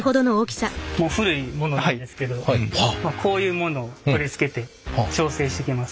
もう古いものなんですけどこういうものを取り付けて調整していきます。